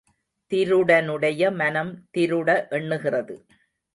திருடனுடைய மனம் திருட எண்ணுகிறது.